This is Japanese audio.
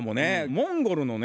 モンゴルのね